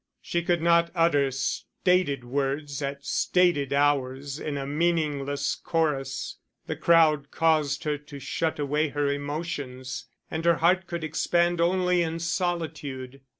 She could not utter stated words at stated hours in a meaningless chorus; the crowd caused her to shut away her emotions, and her heart could expand only in solitude.